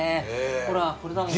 ほらこれだもん。